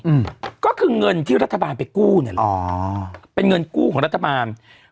อืมก็คือเงินที่รัฐบาลไปกู้เนี่ยแหละอ๋อเป็นเงินกู้ของรัฐบาล